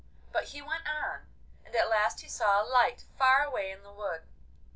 But he went on, and at last he saw a light far away in the wood.